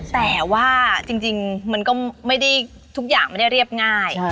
แต่ว่าจริงมันก็ไม่ได้ทุกอย่างไม่ได้เรียบง่าย